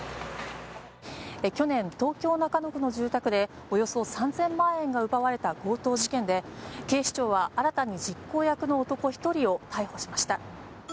去年、東京・中野区の住宅でおよそ３０００万円が奪われた強盗事件で警視庁は、新たに実行役の男１人を逮捕しました。